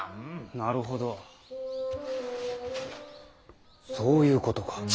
なるほどそういうことか。